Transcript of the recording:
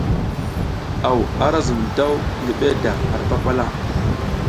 Aw ara zum daw ngi beda ar papala.